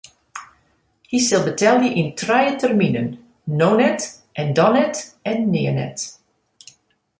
Hy sil betelje yn trije terminen: no net en dan net en nea net.